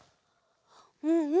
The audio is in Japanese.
うんうん。